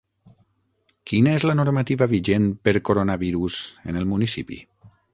Quina és la normativa vigent per coronavirus en el municipi?